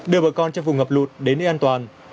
đưa bà con trong vùng ngập lụt đến nơi an toàn